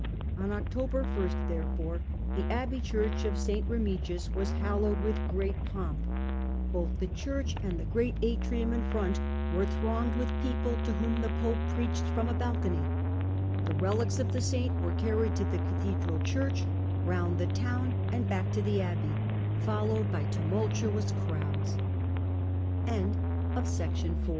On October 1, therefore, the abbey church of St. Remigius was hallowed with great pomp; both the Digitized by VjOOQIC 30 HlLDRBRAND cbnrcli and the great atrium in front were thronged with people, to whom the pope preached from a bal cony ; the relics of the saint were carried to the cathedral church, round the town and back to the abbey, followed by tumultuous